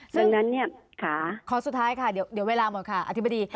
ซึ่งข้อสุดท้ายค่ะเดี๋ยวเวลาหมดค่ะอธิบดี